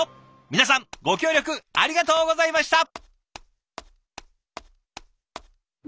皆さんご協力ありがとうございました！